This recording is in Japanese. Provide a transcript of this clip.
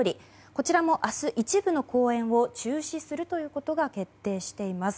こちらも明日一部の公演を中止するということが決定しています。